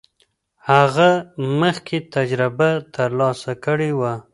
هغه مخکې تجربه ترلاسه کړې وه.